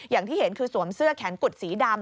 อย่างที่เห็นคือสวมเสื้อแขนกุดสีดำ